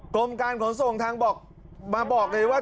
กรมการขนส่งทางบกมาบอกเลยว่า